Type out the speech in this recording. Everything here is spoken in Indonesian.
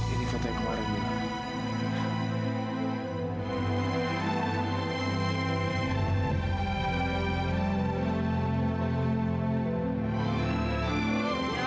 ini foto yang keluar nia